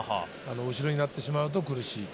後ろになってしまうと苦しい。